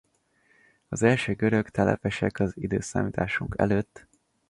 Az első görög telepesek az i.e.